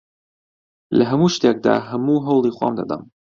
لە هەموو شتێکدا هەموو هەوڵی خۆم دەدەم.